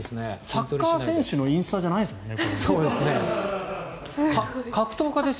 サッカー選手のインスタじゃないですもんね。